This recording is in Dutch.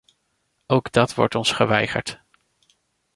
Ook dat wordt ons geweigerd.